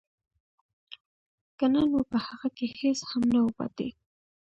که نه نو په هغه کې هېڅ هم نه وو پاتې